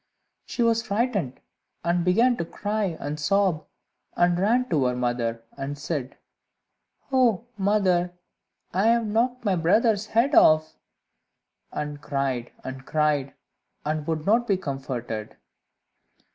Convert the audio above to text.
She was frightened, and began to cry and sob, and ran to her mother, and said, "Oh, mother, I have knocked my brother's head off!" and cried and cried, and would not be comforted.